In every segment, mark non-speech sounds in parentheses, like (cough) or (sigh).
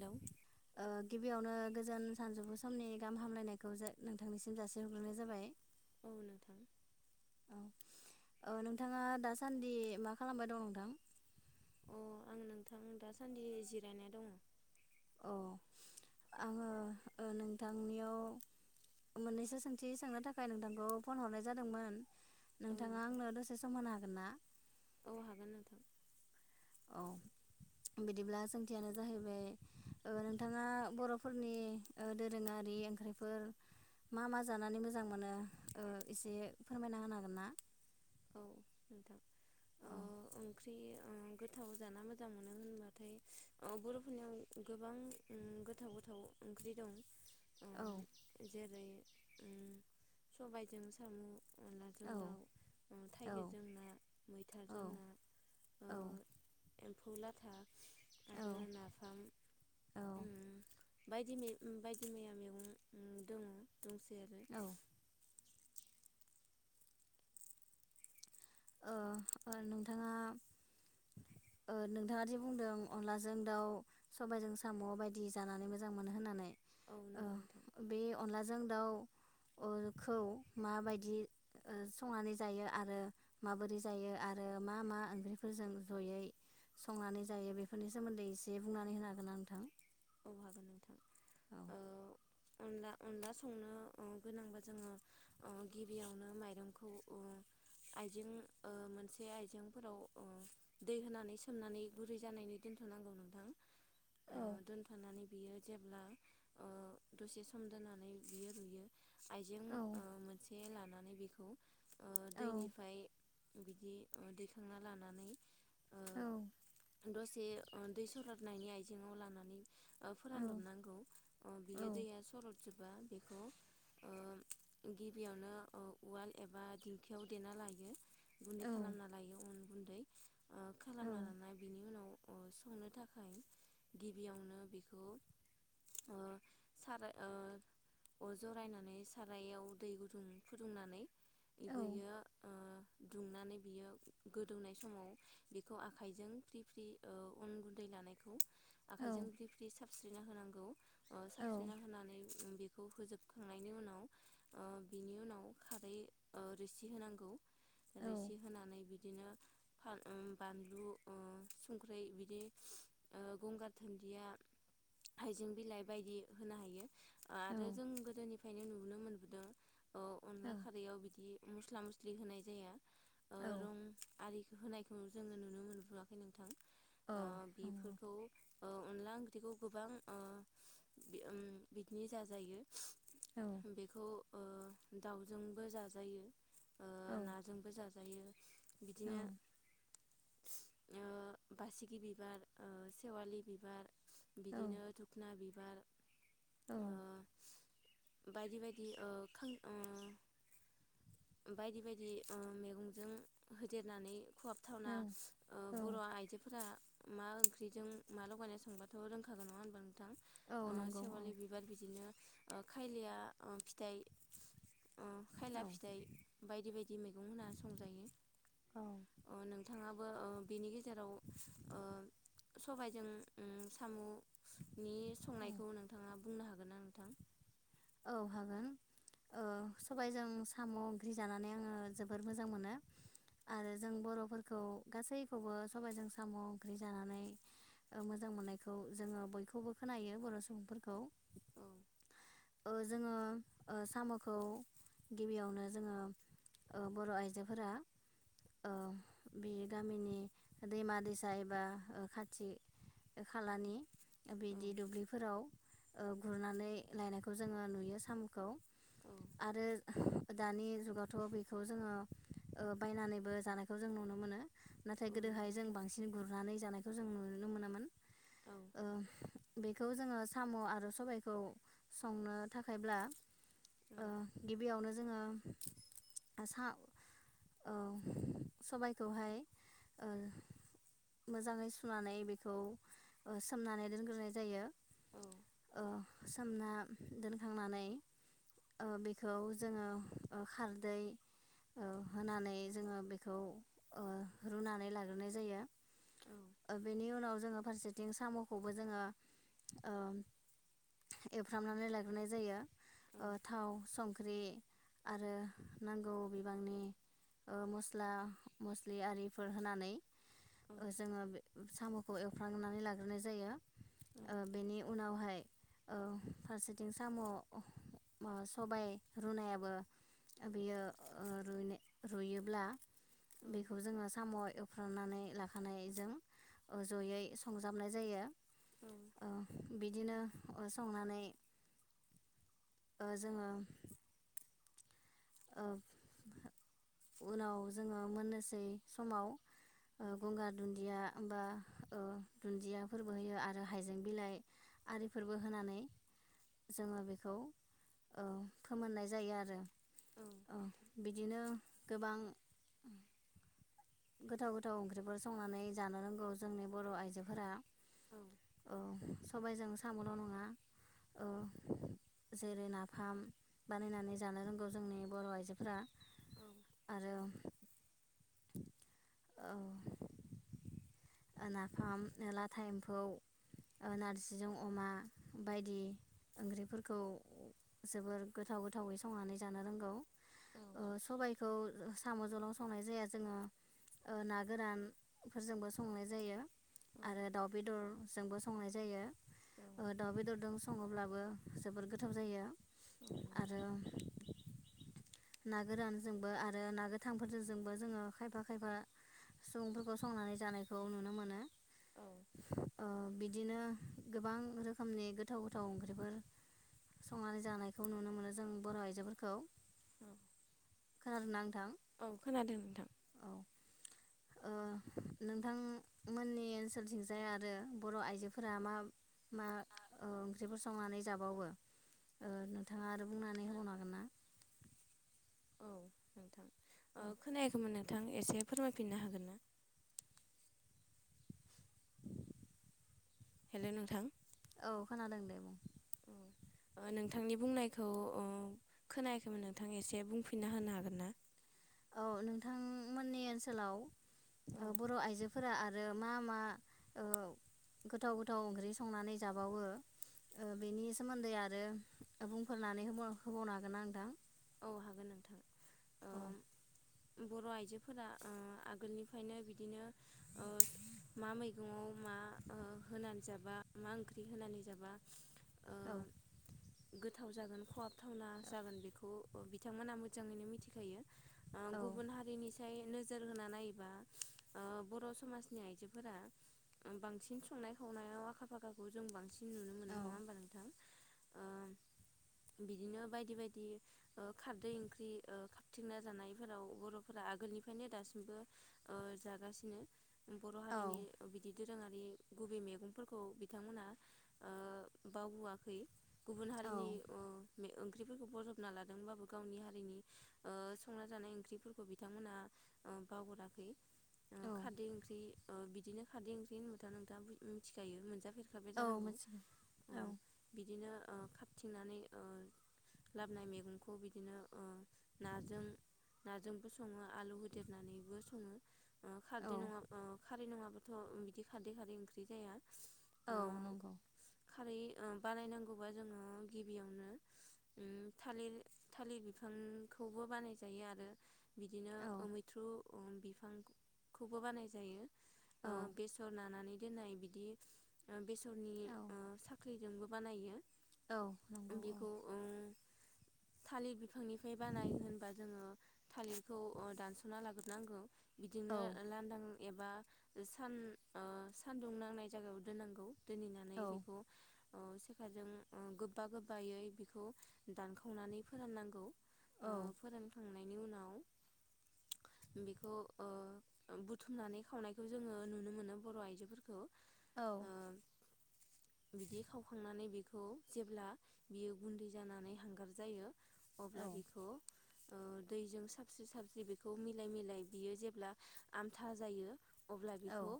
Hello ओ गिबियाव ओ गोजान सानजौफु समनि गाहाम हामलायनायखौ जो नोंथांनिसिम जासिहरग्रोनाय जाबाय। औ नोंथां। औ नोंथाङा दासान्दि मा खालामबाय दं नोंथां? अ आं नोंथां दासान्दि जिरायनाय दङ। अ आङो ओ नोंथांनियाव मोननैसो सोंथि सोंनो थाखाय नोंथांखौ फन हरनाय जादोंमोन औ नोंथाङा नोंथां आंनो दसे सम होनो हागोन ना? औ हागोन नोंथां औ बिदिब्ला सोंथियानो जाहैबाय ओ नोंथाङा बरफोरनि ओ दोरोङारि ओंख्रिफोर मा मा जानानै मोजां मोनो ओ एसे फोरमायना होनो हागोन ना? औ नोंथां। ओ औ। ओंख्रि ओ गोथाव जाना मोजां मोनो होनबाथाय ओ बरफोरनियाव गोबां गोथाव गोथाव ओंख्रि दं। ओ औ जेरै उम सबायजों साम अनलाजों औ दाव औ थाइगिरजों ना मैथाजों औ ना औ एमफौ लाथा औ आरो नाफाम औ उम बायदि बायदि मैया मैगं दङ। दंसै आरो औ ओ ओ नोंथाङा नोंथाङा जि बुंदों अनलाजों दाउ सबायजों साम' बायदि जानानै मोजां मोनो होननानै औ ओ नंगौ नोंथां बे अनलाजों दाउ (unintelligible) माबायदि संनानै जायो आरो माबोरै जायो आरो मा मा ओंख्रिफोरजों जयै संनानै जायो। बेफोरनि सोमोन्दै एसे बुंनानै होनो हागोनना नोंथां? औ हागोन नोंथां। औ ओ अनला अनला संनो गोनांबा जोङो गिबियावनो माइरंखौ आइजें मोनसे आइजेंफोराव दै होनानै सोमनानै गुरै जानायनि दोनथ'नांगौ नोंथां। ओ औ दोन मानि बियो जेब्ला दसे सम दोननानै बियो रुयो आइजें औ ओ मोनसे लानानै नानै बेखौ ओ औ दैनिफ्राय बिदि दैखांना लानानै ओ औ दसे ओ दै सरगारनायनि आइजेङाव लानानै ओ फोरानदबनांगौ ओ औ बियो दैया सर बा बेखौ ओ गिबियावनो ओ उवाल एबा दिंखियाव देना लायो गुन्दै खालामना लायो उन गुन्दै औ खालामना लाना बिनि उनाव संनो थाखाय गिबियावनो बेखौ ओ साराय ओ अर जरायनानै सारायाव दै गुदुं फुदुंनानै इबैयो ओ दुंनानै बियो गोदौनाय समाव बिखौ आखाइजों फ्रि फ्रि ओ अन गुन्दै लानायखौ आखाइजों औ बि साबस्रिना होनांगौ ओ साबस्रिना होनानै उम बेखौ होजोबखांनायनि उनाव ओ बिनि उनाव खारै ओ रोसि होनांगौ औ रोसि होनानै बिदिनो फा उम बानलु ओ संख्रै बिदि ओ गंगार दुनन्दिया हाइजें बिलाइ बायदि होनो हायो आरो औ जों गोदोनि नुबोनो मोनबोदों ओ औ अनला खारैयाव बिदि मस्ला मस्लि होनाय जाया ओ रं आरिखौ होनायखौ जोङो नुनो मोनबोआखै नोंथां ओ बिफोरखौ ओ अनला ओंख्रि बेखौ गोबां ओ बि उम बिदिनो जाजायो बेखौ ओ दाउजोंबो जाजायो ओ नाजोंबो जाजा (unintelligible) बिदिनो ओ बासिगि बिबार ओ सेवालि बिबार बिदिनो धुखना बिफां औ बायदि बायदि ओ खां बायदि बायदि ओ मैगंजों होदेरनानै खहाबथावना बर'आइजोफोरा मा ओंख्रिजों मा लगायना संबा थ' रोंखागोन नङा होनब्ला? ओ सेवालि बिबार बिदिनो ओ खायलाया ओ फिथाइ अ खायला फिथाइ बायदि बायदि मैगं होना संजायो अ नोंथाङा ओ ओ बिनि गेजेराव ओ सबाइजों उम सामु नि संनायखौ नोंथाङा बुंनो हागोनना नोंथां? औ हागोन ओ सबायजों साम' ओंख्रि जानानै आङो जोबोर मोजां मोनो आरो जों बर'फोरखौ गासैखौबो सबायजों साम' ओंख्रि जानानै मोजां मोननायखौ जोङो बयखौबो खोनायो बर' सुबुंफोरखौ औ ओ जोङो ओ साम'खौ गिबियावनो जोङो ओ बर' आइजोफोरा ओ बे गामिनि दैमा दैसा एबा खाथि खालानि औ बिदि दुब्लिफोराव ओ गुरनानै लायनायखौ जोङो नुयो साम'खौ औ आरो दानि जुगावथ' बेखौ जोङो ओ बायनानैबो जानायखौ जों नुनो मोनो। औ नाथाय नंगौ गोदोहाय जों नोंथां बांसिन गुरनानै जानायखौ जों नुनोनो मोनामोन। औ ओ बेख खौ जोङो साम' आरो सबायखौ संनो थाखायब्ला औ ओ गिबियावनो ज जोङो ओ सा औ सबायखौहाय ओ मोजाङै सुनानै बेखौ ओ सोमनानै दोनग्रोनाय जायो। औ नोंथां औ ओ सोमना दोनखांनानै ओ बेखौ जोङो ओ खारदै ओ होनानै जोङो बेखौ ओ रुनानै लाग्रोनाय जायो ओ‌ बेनि उनाव जोङो फारसेथिं साम'खौबो जोङो ओ एवफ फ्रामनानै लाग्रोनाय जायो। ओ थाव संख ख्रि आरो नांगौ बिबांनि ओ मस्ला मस्लि आरिफोर होनानै ओ जोङो बे साम'खौ एवफ्रांनानै लाग्रोनाय जायो ओ बेनि उनावहाय ओ फारसेथिं साम' अ ओ सबाय रुनायाबो बियो ओ रुयनाय रुयोब्ला बेखौ जोङो साम' एव खांनानै लाखानायजों ओ ज'यै संजाबनाय जायो। औ बिद दिनो ओ संनानै ओ जोङो ओ उनाव जोङो मोननोसै समाव ओ गंगार दुन्दिया बा ओ दुन्दियाफोरबो होयो आरो हायजें बिलाइ आरिफोरबो होनानै जोङो बेखौ ओ फोमोननाय जायो आरो औ बिदिनो गोबां गोथाव गोथाव ओंख्रिफोर संनानै जानो रोंगौ जोंनि बर' आइजोफोरा। औ सबायजों साम'ल' नङा ओ जेरै नाफाम बानायनानै जानो रोंगौ जोंनि बर' आइजोफोरा। आरो औ ओ नाफाम लाथा एम्फौ ओ नारजिजों अमा बायदि ओंख्रिफोरखौ जोबोर गोथाव गोथावै संनानै जानो रोंगौ ओ सबायखौ साम' जोंल संनाय जाया जोङो ओ ना गोरानफोरजोंबो स संनाय जायो आरो दाउ बेदरजोंबो संनाय जायो। ओ दाव बेददजोंस सङोब्लाबो जोबोर गोथाव जायो। नोंथां आरो ना गोरानजोंबो आरो ना गोथांफोरजोंबो जोङो खायफा खायफा सुबुंफोरखौ संनानै जानायखौ नुनो मोनो। औ ओ बिद दिनो गोबां रोखोमनि गोथाव गोथाव ओंख्रिफोर संनानै जानायखौ नुनो मोनो जों बर' आइजोफोरखौ। खोनादों ना नोंथां? औ खोनादों नोंथां औ ओ नोंथांमोननि ओनसोलथिंजाय आरो बर' आइजोफोरा मा मा ओ ओंख्रिफोर संनानै जाबावो ओ नोंथाङा आरो बुंनानै होबावनो हागोन ना? औ नोंथां। ओ औ खोनायाखैमोन नोंथां एसे फोरमायफिननो हागोन ना हेलौ नोंथां औ खोनादों दे बुं नोंथांनि बुंनायखौ खोनायाखैमोन नोंथां एसे बुंफिनना होनो हागोन ना औ नोंथांमोननि औ ओनसोलाव बर' आइजो फोरा आरो मा मा ओ गोथाव गोथाव ओंख्रि संनानै जाबावो बेनि ओ सोमोन्दै आरो बुंफोरनानै होबावनो हागोनना नोंथां औ हागोन नोंथां औ ओ बर' आइजोफोरा ओ आगोलनिफ्रायनो बिदिनो ओ मा मैगङाव मा ओ होनानै जाबा मा ओंख्रि होनानै जाबा ओ औ गोथाव जागोन खहाबथावना जागोन बेखौ बिथांमोनहा मोजाङैनो मिथिखायो ओ औ गुबुन हारिनिसाय नोजोर होना नायोबा ओ बर' समाजनि आइजोफोरा बांसिन संनाय खावनायाव आखा फाखाखौ जों बांसिन नुनो मोनो औ नङा होमबा नोंथां? ओ बिदिनो बायदि - बायदि खारदै ओंख्रि ओ खाबथिंना जानायफोराव बर'फोरा आगोलनिफ्रायनो दासिमबो जागासिनो बर' औ हारिनि बिदि दोरोङारि गुबै मैगंफोरखौ बिथांमोनहा ओ बावआखै गुबुन औ हारिनि ओ बे ओंख्रिफोरखौ बजबना लाद होनबाबो गावनि हारिनि ओ संनाजानाय ओंख्रिफोरखौ बिथांमोनहा ओ बावगाराखै ओ औ खारदै ओंख्रि ओ बिदिनो खारदै ओंख्रि होनबाथ' नोंथांङा मिथिखायो मोनजा फेरबाय औ जानांगौ मिथिगौ ओ औ बिदिनो खाबथिंनानै ओ लाबोनाय मैगं खौ बिदिनो ओ नाजों नाजोंबो सङो आलु होदेरनानैबो सङो औ खारदै नङा ओ खारै नङा थ बिदि खारदै खारै ओंख्रि जाया ओ औ नंगौ खारै ओ बानायनांगौबा जोङो ओ गिबियावनो थालिर थालिर बिफांखौबो बानायजायो आरो बिदिनो औ मैथ्रु उम बिफांखौबो बानाय जायो औ ओ बेसर नानानै दोननाय बिदि ओ बेस नि औ ओ साख्लिजोंबो बानायो। औ नंगौ औ बेखौ ओ थालिर बिफांनिफ्राय बानायो होनबा जोङो थालिरखौ दानस'ना लाग्रोनांगौ। बिदिनो औ ओ लांदां एबा सान ओ सानदुं नांनाय जायगायाव दोननांगौ। दोनहैनानै औ बेखौ सेखाजों गोबा गोबायै बेखौ दानखाव खावनानै फोराननांगौ। ओ औ फोरान खांनाय नि उनाव बेखौ ओ बुथुमनानै खावनायखौ जोङो नुनो मोनो ओ बर' आइजोफोरखौ औ ओ बिदि खावखांनानै बेखौ जेब्ला बियो गुन्दै जानानै हांगार जायो अब्ला बेखौ ओ दैजों साबस्रि साबस्रि बेखौ मिलाय मिलाय बियो जेब्ला आमथा जायो। अब्ला बेखौ औ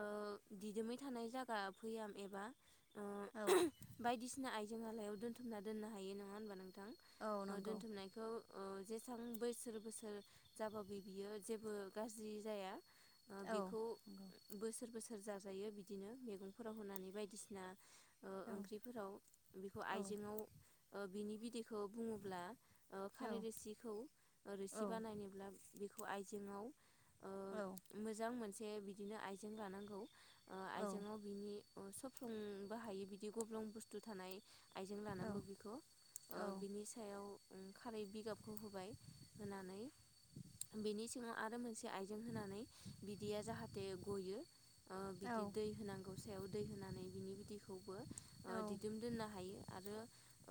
ओ दिदोमै थानाय जागा भैयाम एबा औ ओ बायदिसिना आइ जें आलायाव दोनथुमना हायो नों (unintelligible) ओं औ ओ नंगौ दोनथुमनायखौ ओ जेसां बैसोर बोसोर जाबाबो बियो जेबो गाज्रि जाया। ओ औ बेखौ नंगौ बोसोर बोसोर जाजायो बिदिनो मैगंफोराव होनानै बायदिसिना ओ औ ओंख्रिफोराव बेखौ आइजेङाव ओ बिनि बिदैखौ बुङोब्ला ओ खारै औ-औ-औ-औ-औ-औ-औ-औ-औ-औ-औ-औ रोसिखौ रोसि बानायनोब्ला बे (unintelligible) आयजेंआव ओ मोजां मोन से बिदिनो आइजें लानांगौ। ओ आइजेङाव बिनि ओ सोफ्लंबो हायो बिदि गब्लं बुस्थु थानाय। आइजें लानांगौ बिखौ ओ बिनि साया ओं खारै बिगाबखो होबाय होनानै बिनि सिङाव आरो मोनसे आइजें होनानै बि दैया जाहाथे गयो। ओ बिदि दै होनांगौ सायाव दै होनानै। बिनि बिदिखौबो। ओ दिदोम दोननो हायो आरो।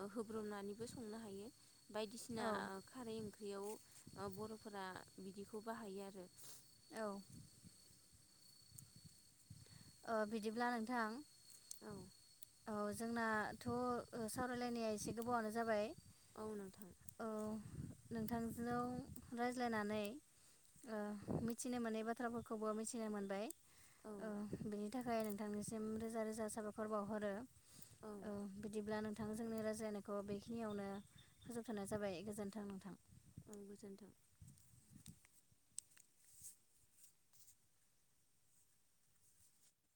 ओ होब्रोमनानैबो संनो हायो। बायदिसिना खारै ओं ख्रियाव ओ बर'फोरा बिदिखौ बाहायो आरो। औ। ओ बिदिब्ला नोंथां। औ। औ जोंनाथ' ओ सावरायलायनाया एसे गोबावानो जाबाय। औ नोंथां। नोंथां (unintelligible) रायज्लायनानै ओ मिथिनो मोनै बाथ्राफोरखौबो मिथिनो मोनबाय। औ। ओ बेनि थाखाय नोंथांनिसिम रोजा रोजा साबायखर बावहरो। औ बिदिब्ला नोंथां। नोंथां जोंनि रायज्लायनायखौ बेखिनियावनो फोजोबथनाय जाबाय गोजोन्थों नोंथां। औ गोजोन्थों।